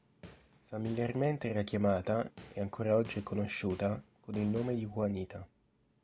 Familiarmente era chiamata, e ancora oggi è conosciuta, con il nome di Juanita.